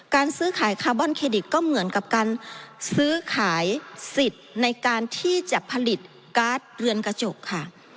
การซื้อขายคาร์บอนเครดิตก็เหมือนกับการซื้อขายสิทธิ์ในการที่จะผลิตการ์ดเรือนกระจกค่ะ